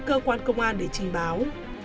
cơ quan công an để trình báo